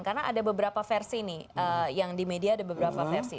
karena ada beberapa versi nih yang di media ada beberapa versi